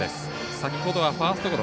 先ほどはファーストゴロ。